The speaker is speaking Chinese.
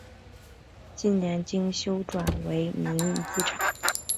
近年经修复转为民用机场。